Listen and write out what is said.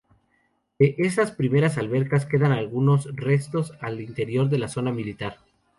De esas primeras albercas quedan algunos restos al interior de la Zona Militar.